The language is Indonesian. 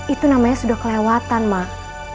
itu namanya sudah kelewatan mah